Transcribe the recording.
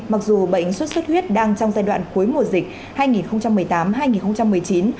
mặc dù bệnh sốt sốt huyết đang trong giai đoạn cuối mùa dịch